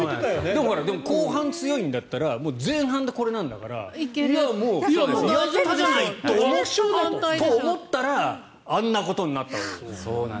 でも後半強いんだったら前半でこれなんだったらやったじゃんと思ったらあんなことになったわけです。